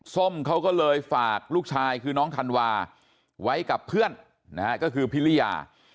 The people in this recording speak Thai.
ส้มเขาก็เลยฝากลูกชายคือน้องธันวาไว้กับเพื่อนนะฮะก็คือพิริยา